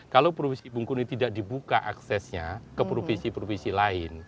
kalau provinsi bung kulu ini tidak dibuka aksesnya ke provinsi provinsi lain